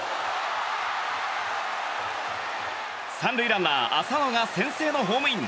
３塁ランナー、浅野が先制のホームイン。